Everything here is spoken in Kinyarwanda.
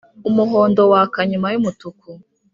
Umuhondo waka nyuma y’umutuku